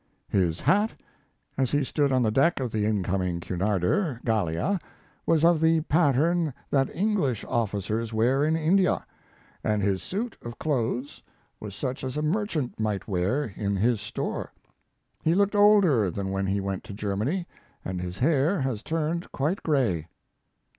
His hat, as he stood on the deck of the incoming Cunarder, Gallia, was of the pattern that English officers wear in India, and his suit of clothes was such as a merchant might wear in his store. He looked older than when he went to Germany, and his hair has turned quite gray.